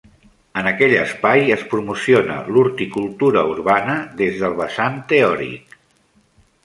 En aquell espai es promociona l'horticultura urbana des del vessant teòric.